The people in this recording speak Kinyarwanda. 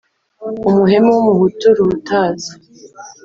Umuhemu w'umuhutu Ruhutazi